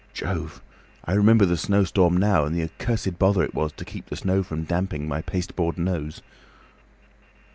Jove! I remember the snowstorm now, and the accursed bother it was to keep the snow from damping my pasteboard nose."